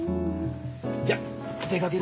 じゃ出かけるか。